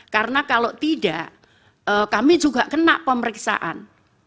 karena kalau tidak kami juga kena pemeriksaan